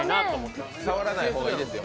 触らない方がいいですよ。